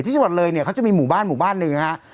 จังหวัดเลยเนี่ยเขาจะมีหมู่บ้านหมู่บ้านหนึ่งนะฮะ